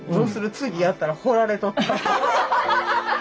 次やったらほられとったら。